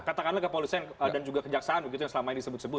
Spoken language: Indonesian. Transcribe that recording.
katakanlah ke polisi dan juga ke jaksaan begitu yang selama ini disebut sebut